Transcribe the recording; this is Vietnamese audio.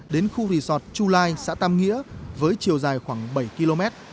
đến khu resort chulai xã tam nghĩa với chiều dài khoảng bảy km